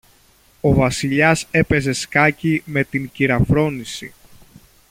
Ο Βασιλιάς έπαιζε σκάκι με την κυρα-Φρόνηση.